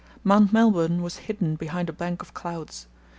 Mount Melbourne was hidden behind a bank of clouds.